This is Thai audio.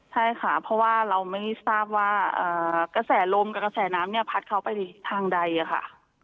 ใช่ค่ะเพราะว่าเราไม่ทราบว่ากระแสลมกับกระแสน้ำเนี่ยพัดเขาไปทางใดค่ะ